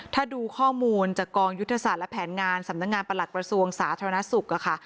ถ้าดูข้อมูลจากกองยุทธศาสตร์และแผนงานสำนักงานประหลักกระทรวงสาธารณสุขอะค่ะ